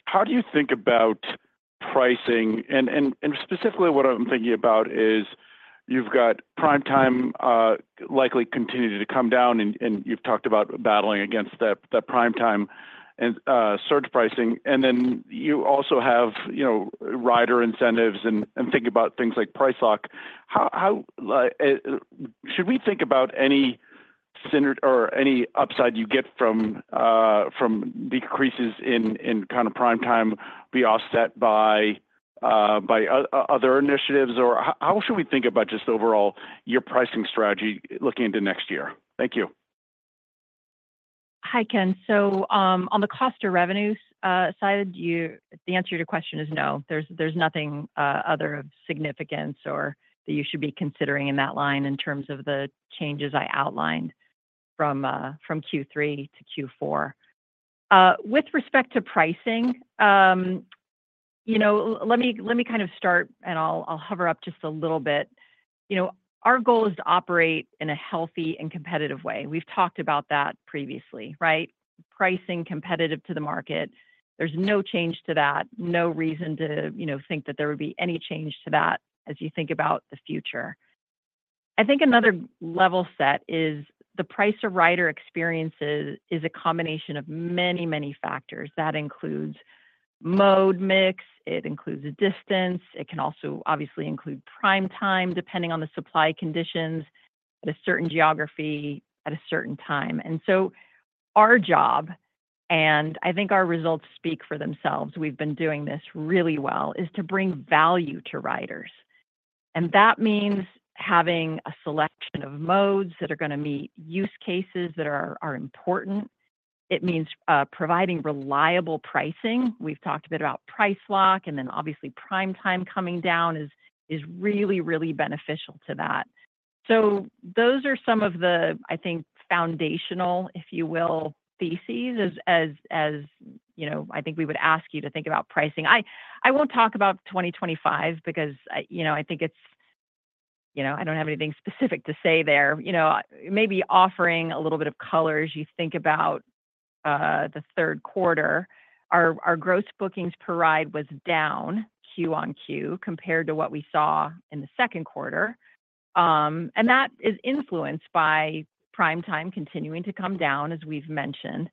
how do you think about pricing? And specifically, what I'm thinking about is you've got prime time likely continuing to come down, and you've talked about battling against that prime time and surge pricing. And then you also have rider incentives and think about things like price lock. Should we think about any upside you get from decreases in kind of prime time be offset by other initiatives? Or how should we think about just overall your pricing strategy looking into next year? Thank you. Hi, Ken. So on the cost of revenue side, the answer to your question is no. There's nothing other of significance or that you should be considering in that line in terms of the changes I outlined from Q3 to Q4. With respect to pricing, let me kind of start, and I'll hover up just a little bit. Our goal is to operate in a healthy and competitive way. We've talked about that previously, right? Pricing competitive to the market. There's no change to that. No reason to think that there would be any change to that as you think about the future. I think another level set is the price of rider experiences is a combination of many, many factors. That includes mode mix. It includes a distance. It can also obviously include prime time depending on the supply conditions at a certain geography at a certain time. And so our job, and I think our results speak for themselves, we've been doing this really well, is to bring value to riders. And that means having a selection of modes that are going to meet use cases that are important. It means providing reliable pricing. We've talked a bit about PriceLock, and then obviously Prime Time coming down is really, really beneficial to that. So those are some of the, I think, foundational, if you will, theses as I think we would ask you to think about pricing. I won't talk about 2025 because I think it's I don't have anything specific to say there. Maybe offering a little bit of color as you think about the third quarter. Our gross bookings per ride was down Q on Q compared to what we saw in the second quarter. That is influenced by Prime Time continuing to come down, as we've mentioned.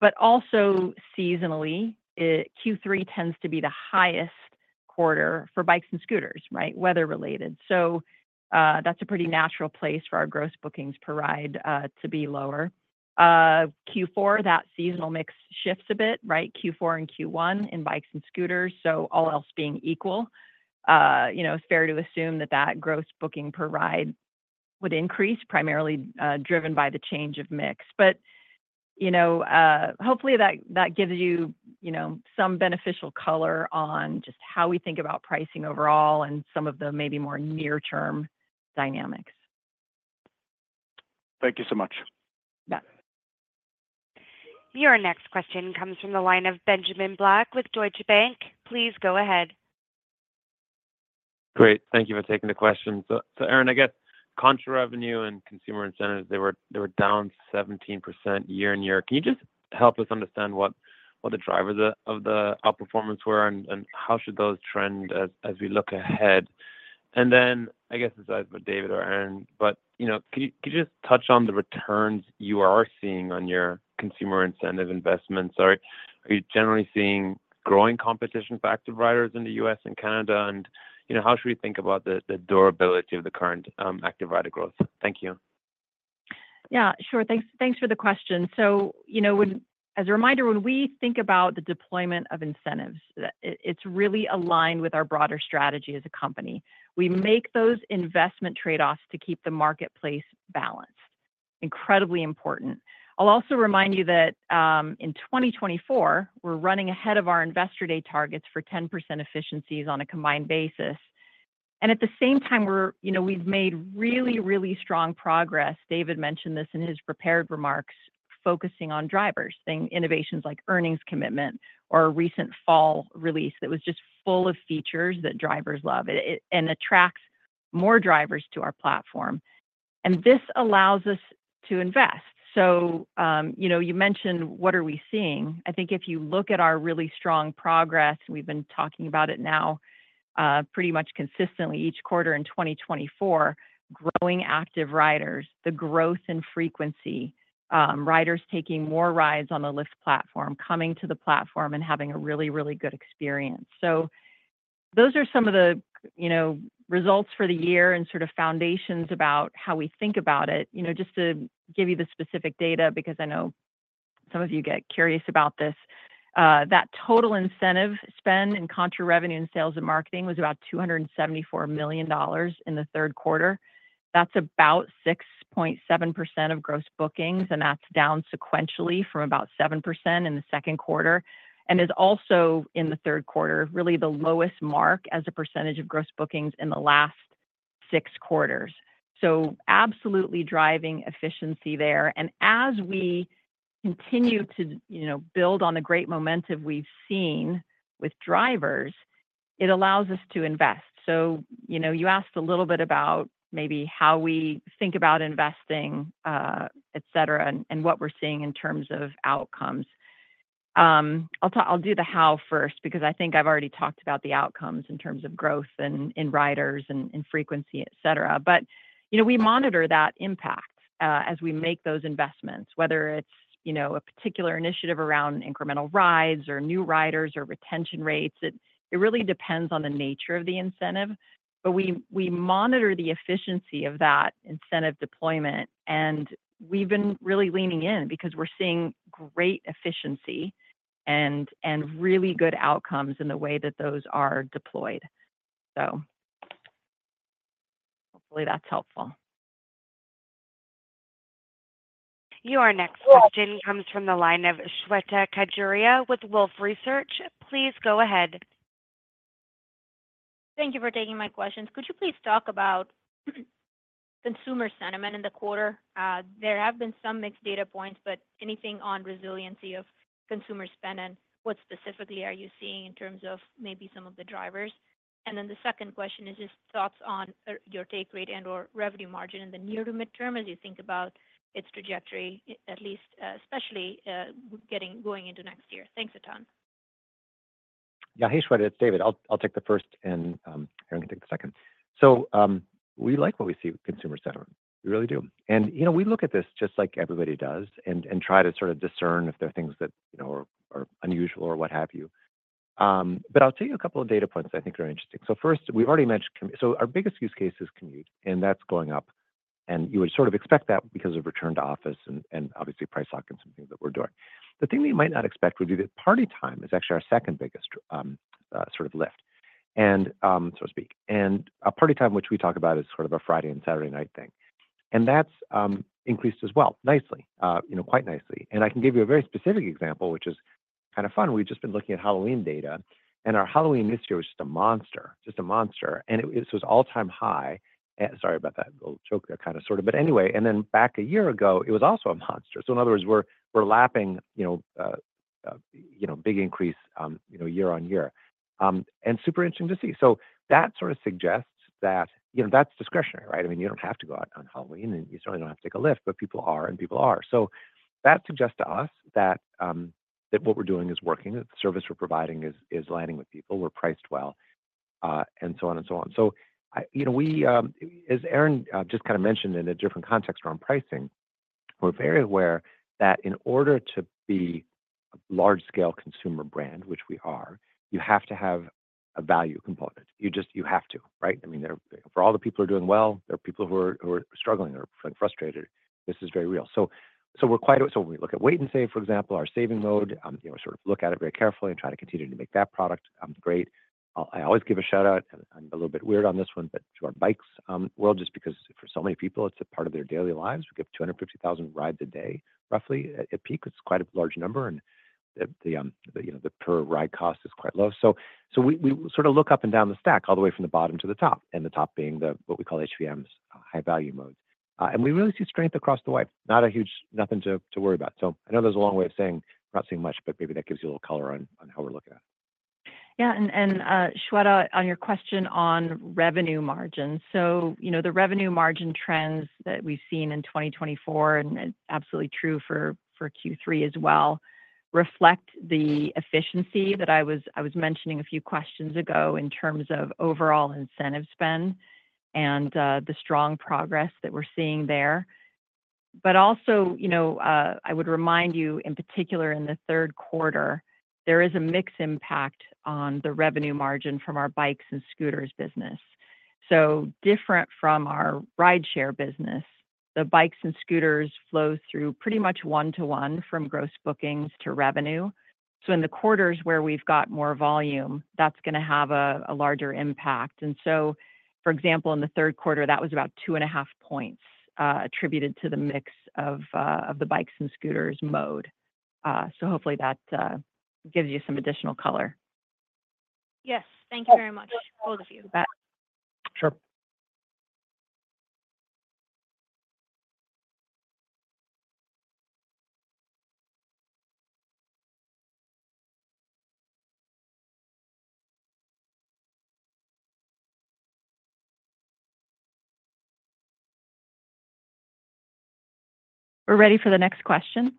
But also seasonally, Q3 tends to be the highest quarter for bikes and scooters, right? Weather-related. So that's a pretty natural place for our gross bookings per ride to be lower. Q4, that seasonal mix shifts a bit, right? Q4 and Q1 in bikes and scooters. So all else being equal, it's fair to assume that that gross bookings per ride would increase, primarily driven by the change of mix. But hopefully, that gives you some beneficial color on just how we think about pricing overall and some of the maybe more near-term dynamics. Thank you so much. Your next question comes from the line of Benjamin Black with Deutsche Bank. Please go ahead. Great. Thank you for taking the question. So Erin, I guess contra revenue and consumer incentives, they were down 17% year on year. Can you just help us understand what the drivers of the outperformance were and how should those trend as we look ahead? And then I guess besides what David or Erin, but could you just touch on the returns you are seeing on your consumer incentive investments? Are you generally seeing growing competition for active riders in the U.S. and Canada? And how should we think about the durability of the current active rider growth? Thank you. Yeah. Sure. Thanks for the question. So as a reminder, when we think about the deployment of incentives, it's really aligned with our broader strategy as a company. We make those investment trade-offs to keep the marketplace balanced. Incredibly important. I'll also remind you that in 2024, we're running ahead of our investor day targets for 10% efficiencies on a combined basis. And at the same time, we've made really, really strong progress. David mentioned this in his prepared remarks, focusing on drivers, innovations like earnings commitment or a recent fall release that was just full of features that drivers love and attracts more drivers to our platform. And this allows us to invest. So you mentioned what are we seeing. I think if you look at our really strong progress, and we've been talking about it now pretty much consistently each quarter in 2024, growing active riders, the growth in frequency, riders taking more rides on the Lyft platform, coming to the platform and having a really, really good experience. So those are some of the results for the year and sort of foundations about how we think about it. Just to give you the specific data because I know some of you get curious about this. That total incentive spend in contra revenue and sales and marketing was about $274 million in the third quarter. That's about 6.7% of gross bookings, and that's down sequentially from about 7% in the second quarter and is also in the third quarter, really the lowest mark as a percentage of gross bookings in the last six quarters. So absolutely driving efficiency there. As we continue to build on the great momentum we've seen with drivers, it allows us to invest. You asked a little bit about maybe how we think about investing, etc., and what we're seeing in terms of outcomes. I'll do the how first because I think I've already talked about the outcomes in terms of growth in riders and frequency, etc. We monitor that impact as we make those investments, whether it's a particular initiative around incremental rides or new riders or retention rates. It really depends on the nature of the incentive, but we monitor the efficiency of that incentive deployment. We've been really leaning in because we're seeing great efficiency and really good outcomes in the way that those are deployed. Hopefully that's helpful. Your next question comes from the line of Shweta Khajuria with Wolfe Research. Please go ahead. Thank you for taking my questions. Could you please talk about consumer sentiment in the quarter? There have been some mixed data points, but anything on resiliency of consumer spend and what specifically are you seeing in terms of maybe some of the drivers? And then the second question is just thoughts on your take rate and/or revenue margin in the near to midterm as you think about its trajectory, at least especially going into next year. Thanks a ton. Yeah. Hey, Shweta. It's David. I'll take the first, and Erin can take the second. So we like what we see with consumer sentiment. We really do. And we look at this just like everybody does and try to sort of discern if there are things that are unusual or what have you. But I'll tell you a couple of data points that I think are interesting. So first, we've already mentioned so our biggest use case is commute, and that's going up. And you would sort of expect that because of return to office and obviously price lock and some things that we're doing. The thing that you might not expect would be that party time is actually our second biggest sort of lift, so to speak. And party time, which we talk about, is sort of a Friday and Saturday night thing. That's increased as well, nicely, quite nicely. I can give you a very specific example, which is kind of fun. We've just been looking at Halloween data, and our Halloween this year was just a monster, just a monster. It was all-time high. Sorry about that little joke, that kind of sort of. Anyway, and then back a year ago, it was also a monster. In other words, we're lapping big increase year on year. Super interesting to see. That sort of suggests that that's discretionary, right? I mean, you don't have to go out on Halloween, and you certainly don't have to take a Lyft, but people are, and people are. That suggests to us that what we're doing is working. The service we're providing is landing with people. We're priced well, and so on and so on. So as Erin just kind of mentioned in a different context around pricing, we're very aware that in order to be a large-scale consumer brand, which we are, you have to have a value component. You have to, right? I mean, for all the people who are doing well, there are people who are struggling or feeling frustrated. This is very real. So when we look at Wait & Save, for example, our saving mode, we sort of look at it very carefully and try to continue to make that product great. I always give a shout-out. I'm a little bit weird on this one, but to our bikes world, just because for so many people, it's a part of their daily lives. We get 250,000 rides a day, roughly. At peak, it's quite a large number, and the per-ride cost is quite low. So we sort of look up and down the stack all the way from the bottom to the top, and the top being what we call HVMs, high-value modes. And we really see strength across the way. Not a huge nothing to worry about. So I know there's a long way of saying we're not seeing much, but maybe that gives you a little color on how we're looking at it. Yeah. And Shweta, on your question on revenue margins. So the revenue margin trends that we've seen in 2024, and absolutely true for Q3 as well, reflect the efficiency that I was mentioning a few questions ago in terms of overall incentive spend and the strong progress that we're seeing there. But also, I would remind you, in particular, in the third quarter, there is a mixed impact on the revenue margin from our bikes and scooters business. So different from our rideshare business, the bikes and scooters flow through pretty much one-to-one from gross bookings to revenue. So in the quarters where we've got more volume, that's going to have a larger impact. And so, for example, in the third quarter, that was about two and a half points attributed to the mix of the bikes and scooters mode. So hopefully, that gives you some additional color. Yes. Thank you very much. All of you. Sure. We're ready for the next question.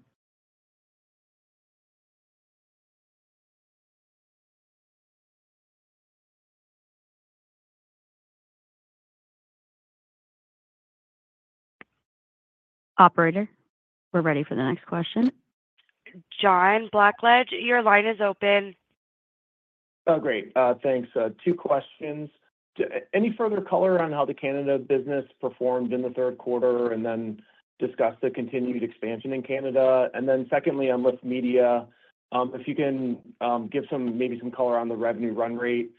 Operator, we're ready for the next question. John Blackledge, your line is open. Oh, great. Thanks. Two questions. Any further color on how the Canada business performed in the third quarter and then discuss the continued expansion in Canada? And then secondly, on Lyft Media, if you can give maybe some color on the revenue run rate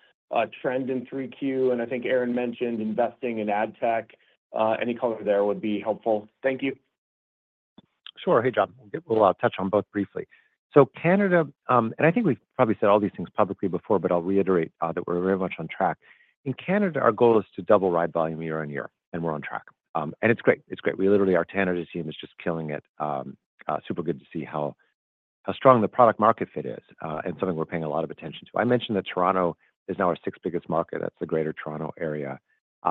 trend in 3Q, and I think Erin mentioned investing in ad tech. Any color there would be helpful. Thank you. Sure. Hey, John. We'll touch on both briefly. So Canada, and I think we've probably said all these things publicly before, but I'll reiterate that we're very much on track. In Canada, our goal is to double ride volume year on year, and we're on track. And it's great. It's great. Literally, our Canada team is just killing it. Super good to see how strong the product-market fit is and something we're paying a lot of attention to. I mentioned that Toronto is now our sixth biggest market. That's the greater Toronto area,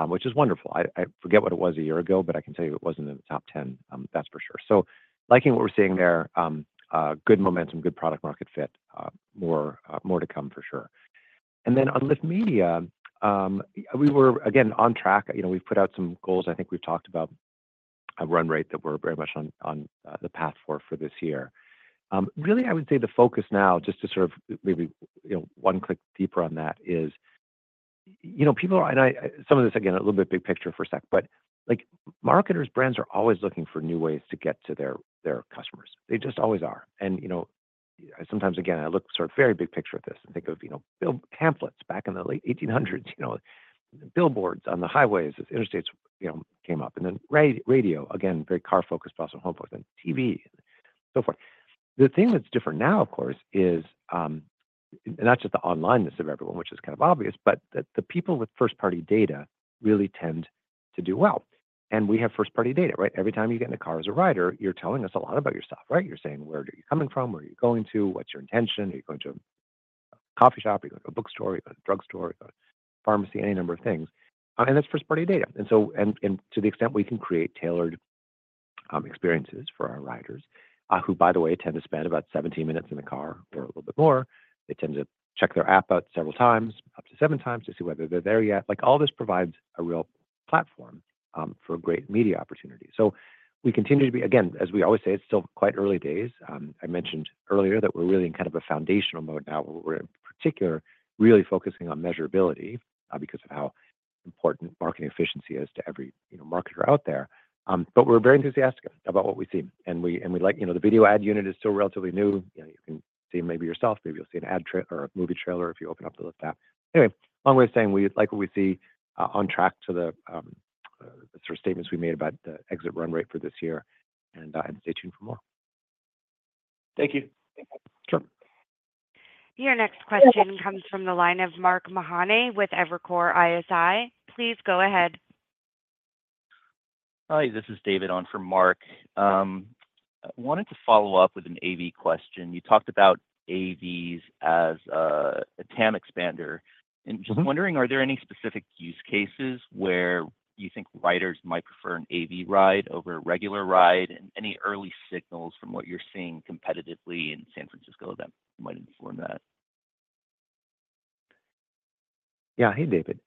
which is wonderful. I forget what it was a year ago, but I can tell you it wasn't in the top 10. That's for sure. So liking what we're seeing there, good momentum, good product-market fit, more to come for sure. And then on Lyft Media, we were, again, on track. We've put out some goals. I think we've talked about a run rate that we're very much on the path for this year. Really, I would say the focus now, just to sort of maybe one click deeper on that, is people are, and some of this, again, a little bit big picture for a sec, but marketers, brands are always looking for new ways to get to their customers. They just always are, and sometimes, again, I look sort of very big picture at this and think of pamphlets back in the late 1800s, billboards on the highways as interstates came up, and then radio, again, very car-focused, but also home-focused, and TV, and so forth. The thing that's different now, of course, is not just the onlineness of everyone, which is kind of obvious, but that the people with first-party data really tend to do well, and we have first-party data, right? Every time you get in a car as a rider, you're telling us a lot about yourself, right? You're saying where you're coming from, where you're going to, what's your intention, are you going to a coffee shop, are you going to a bookstore, are you going to a drugstore, are you going to a pharmacy, any number of things. And that's first-party data. And to the extent we can create tailored experiences for our riders, who, by the way, tend to spend about 17 minutes in the car or a little bit more, they tend to check their app out several times, up to seven times, to see whether they're there yet. All this provides a real platform for great media opportunity. So we continue to be, again, as we always say, it's still quite early days. I mentioned earlier that we're really in kind of a foundational mode now where we're, in particular, really focusing on measurability because of how important marketing efficiency is to every marketer out there. But we're very enthusiastic about what we see. And the video ad unit is still relatively new. You can see maybe yourself. Maybe you'll see an ad trailer or a movie trailer if you open up the Lyft app. Anyway, long way of saying we like what we see, on track to the sort of statements we made about the exit run rate for this year. And stay tuned for more. Thank you. Sure. Your next question comes from the line of Mark Mahaney with Evercore ISI. Please go ahead. Hi. This is David on for Mark. I wanted to follow up with an AV question. You talked about AVs as a TAM expander. And just wondering, are there any specific use cases where you think riders might prefer an AV ride over a regular ride? And any early signals from what you're seeing competitively in San Francisco that might inform that? Yeah. Hey, David.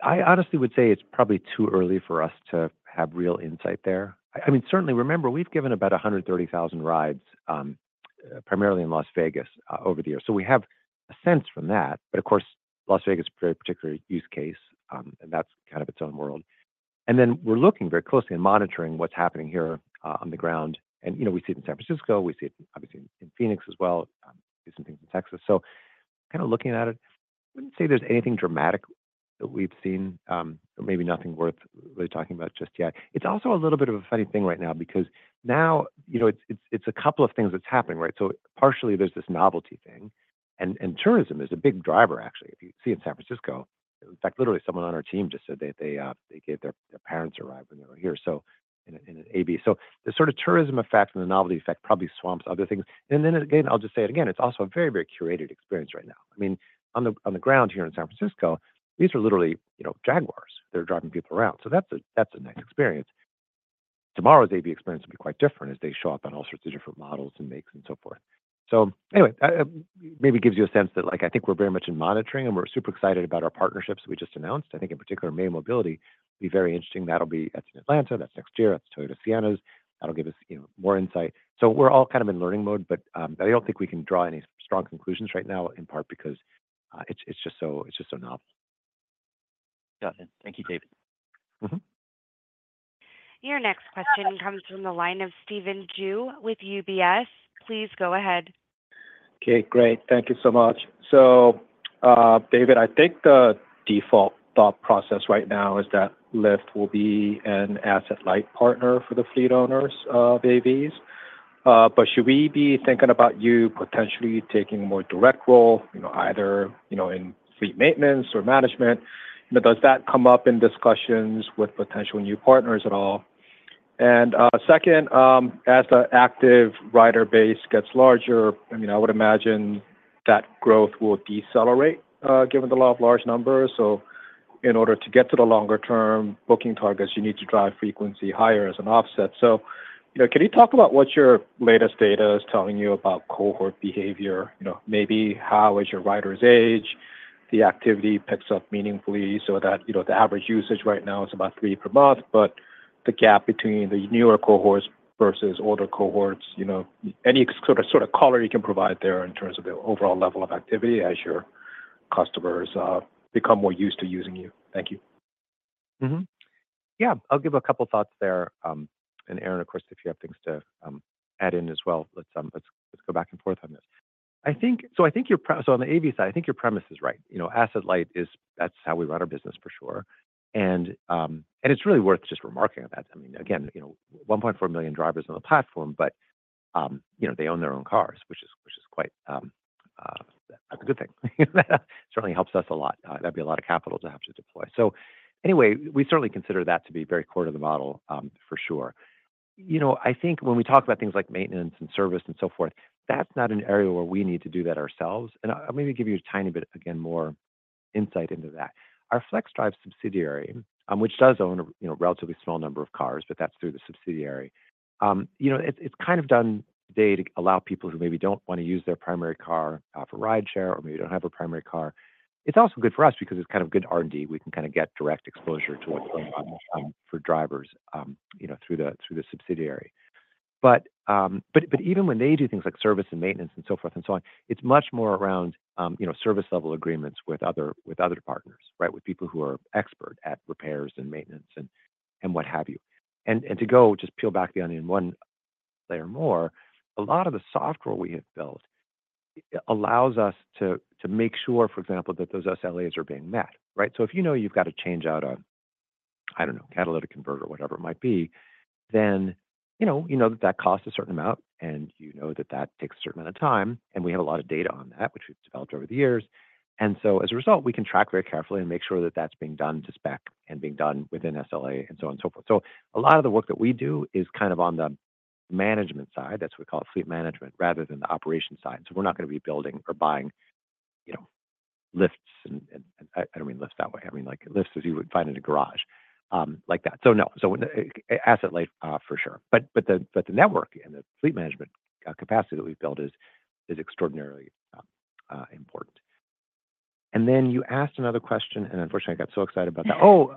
I honestly would say it's probably too early for us to have real insight there. I mean, certainly, remember, we've given about 130,000 rides, primarily in Las Vegas, over the years. So we have a sense from that. But of course, Las Vegas is a very particular use case, and that's kind of its own world. And then we're looking very closely and monitoring what's happening here on the ground. And we see it in San Francisco. We see it, obviously, in Phoenix as well. We see some things in Texas. So kind of looking at it, I wouldn't say there's anything dramatic that we've seen, or maybe nothing worth really talking about just yet. It's also a little bit of a funny thing right now because now it's a couple of things that's happening, right? So partially, there's this novelty thing. And tourism is a big driver, actually. If you see in San Francisco, in fact, literally, someone on our team just said that they gave their parents a ride when they were here. So in an AV. So the sort of tourism effect and the novelty effect probably swamps other things. And then again, I'll just say it again, it's also a very, very curated experience right now. I mean, on the ground here in San Francisco, these are literally Jaguars. They're driving people around. So that's a nice experience. Tomorrow's AV experience will be quite different as they show up on all sorts of different models and makes and so forth. So anyway, maybe it gives you a sense that I think we're very much in monitoring, and we're super excited about our partnerships that we just announced. I think in particular, May Mobility will be very interesting. That'll be at Atlanta. That's next year. That's Toyota Siennas. That'll give us more insight. So we're all kind of in learning mode, but I don't think we can draw any strong conclusions right now, in part because it's just so novel. Got it. Thank you, David. Your next question comes from the line of Stephen Ju with UBS. Please go ahead. Okay. Great. Thank you so much. So David, I think the default thought process right now is that Lyft will be an asset-light partner for the fleet owners of AVs. But should we be thinking about you potentially taking a more direct role, either in fleet maintenance or management? Does that come up in discussions with potential new partners at all? And second, as the active rider base gets larger, I mean, I would imagine that growth will decelerate given the law of large numbers. So in order to get to the longer-term booking targets, you need to drive frequency higher as an offset. So can you talk about what your latest data is telling you about cohort behavior? Maybe how is your rider's age? The activity picks up meaningfully so that the average usage right now is about three per month, but the gap between the newer cohorts versus older cohorts, any sort of color you can provide there in terms of the overall level of activity as your customers become more used to using you? Thank you. Yeah. I'll give a couple of thoughts there. And Erin, of course, if you have things to add in as well, let's go back and forth on this. So I think your, so on the AV side, I think your premise is right. Asset-light is, that's how we run our business, for sure. And it's really worth just remarking on that. I mean, again, 1.4 million drivers on the platform, but they own their own cars, which is quite a good thing. That certainly helps us a lot. That'd be a lot of capital to have to deploy. So anyway, we certainly consider that to be very core to the model, for sure. I think when we talk about things like maintenance and service and so forth, that's not an area where we need to do that ourselves. And I'll maybe give you a tiny bit, again, more insight into that. Our FlexDrive subsidiary, which does own a relatively small number of cars, but that's through the subsidiary. It's kind of done today to allow people who maybe don't want to use their primary car for rideshare or maybe don't have a primary car. It's also good for us because it's kind of good R&D. We can kind of get direct exposure to what's going on for drivers through the subsidiary. But even when they do things like service and maintenance and so forth and so on, it's much more around service-level agreements with other partners, right, with people who are expert at repairs and maintenance and what have you. And to go just peel back the onion one layer more, a lot of the software we have built allows us to make sure, for example, that those SLAs are being met, right? So if you know you've got to change out a, I don't know, catalytic converter or whatever it might be, then you know that that costs a certain amount, and you know that that takes a certain amount of time. And we have a lot of data on that, which we've developed over the years. And so as a result, we can track very carefully and make sure that that's being done to spec and being done within SLA and so on and so forth. So a lot of the work that we do is kind of on the management side. That's what we call it, fleet management, rather than the operation side. So we're not going to be building or buying lifts, and I don't mean lifts that way. I mean lifts as you would find in a garage like that. So no. So asset-light, for sure. But the network and the fleet management capacity that we've built is extraordinarily important. And then you asked another question, and unfortunately, I got so excited about that. Oh.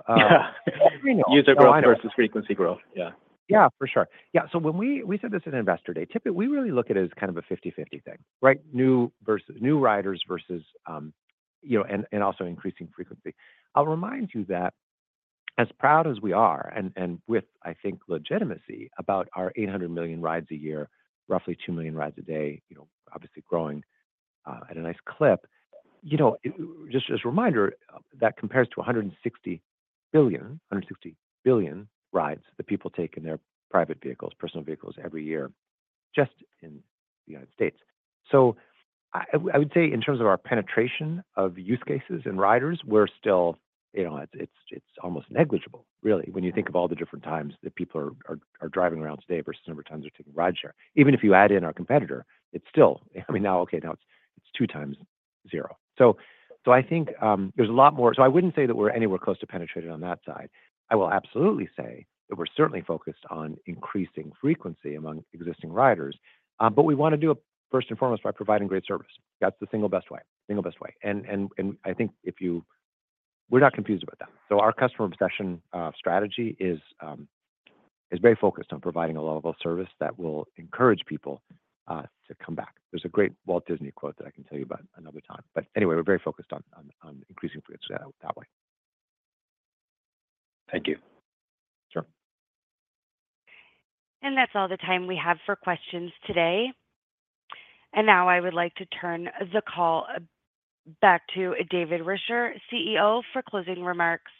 User growth versus frequency growth. Yeah. Yeah, for sure. Yeah. So when we said this at Investor Day, we really look at it as kind of a 50/50 thing, right? New riders versus—and also increasing frequency. I'll remind you that as proud as we are and with, I think, legitimacy about our 800 million rides a year, roughly 2 million rides a day, obviously growing at a nice clip, just as a reminder, that compares to 160 billion rides that people take in their private vehicles, personal vehicles every year just in the United States. So I would say in terms of our penetration of use cases and riders, we're still—it's almost negligible, really, when you think of all the different times that people are driving around today versus number of times they're taking rideshare. Even if you add in our competitor, it's still—I mean, now, okay, now it's two times zero. So I think there's a lot more. So I wouldn't say that we're anywhere close to penetrated on that side. I will absolutely say that we're certainly focused on increasing frequency among existing riders. But we want to do it first and foremost by providing great service. That's the single best way. Single best way. And I think if you—we're not confused about that. So our customer obsession strategy is very focused on providing a level of service that will encourage people to come back. There's a great Walt Disney quote that I can tell you about another time. But anyway, we're very focused on increasing frequency that way. Thank you. Sure. That's all the time we have for questions today. Now I would like to turn the call back to David Risher, CEO, for closing remarks.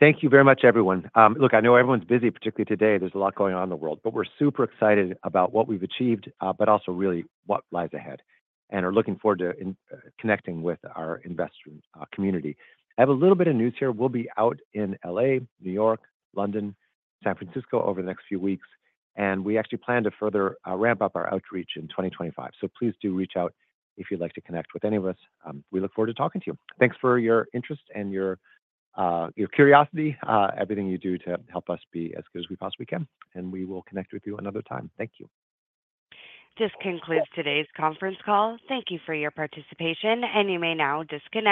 Thank you very much, everyone. Look, I know everyone's busy, particularly today. There's a lot going on in the world. But we're super excited about what we've achieved, but also really what lies ahead, and are looking forward to connecting with our investor community. I have a little bit of news here. We'll be out in LA, New York, London, San Francisco over the next few weeks, and we actually plan to further ramp up our outreach in 2025. So please do reach out if you'd like to connect with any of us. We look forward to talking to you. Thanks for your interest and your curiosity, everything you do to help us be as good as we possibly can, and we will connect with you another time. Thank you. This concludes today's conference call. Thank you for your participation, and you may now disconnect.